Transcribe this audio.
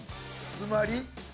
つまり。